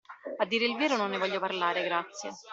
A dire il vero non ne voglio parlare, grazie.